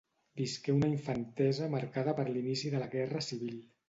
Visqué una infantesa marcada per l'inici de la guerra civil.